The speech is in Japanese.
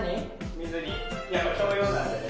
水にやっぱ共用なんでね